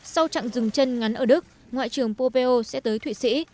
sau chặng dừng chân ngắn ở đức ngoại trưởng pompeo sẽ tới thụy sĩ